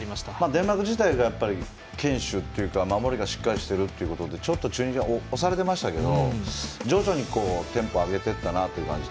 デンマーク自体が堅守というか守りがしっかりしてるということでチュニジア、ちょっと押されてましたけど徐々にテンポを上げていったなという感じ。